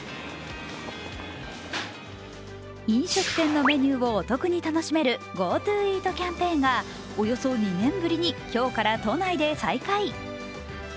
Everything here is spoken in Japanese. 飲食店のメニューをお得に楽しめるＧｏＴｏイートキャンペーンがおよそ２年ぶりに今日から都内で再開。